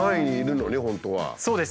そうです。